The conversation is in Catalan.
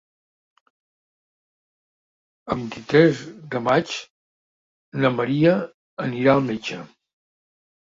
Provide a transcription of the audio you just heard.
El vint-i-tres de maig na Maria anirà al metge.